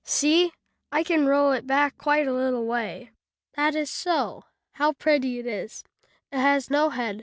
See, I can roll it back quite a little way." "That is so. How pretty it is. It has no head.